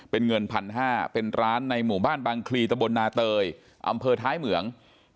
เป็นเงิน๑๕๐๐เป็นร้านในหมู่บ้านบางคลีตะบลนาเตยอำเภอท้ายเหมือง